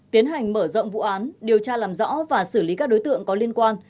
tiến hành mở rộng vụ án điều tra làm rõ và xử lý các đối tượng có liên quan